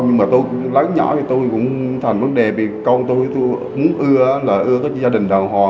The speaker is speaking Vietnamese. nhưng mà tôi lớn nhỏ thì tôi cũng thành vấn đề vì con tôi tôi muốn ưa là ưa cho gia đình đào hò